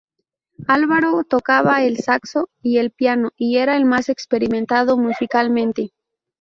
Álvaro tocaba el saxo y el piano y era el más experimentado musicalmente.